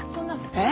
えっ？